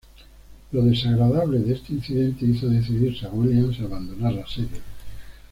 Lo desagradable de este incidente hizo decidirse a Williams a abandonar la serie.